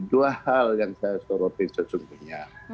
dua hal yang saya sorotin sesungguhnya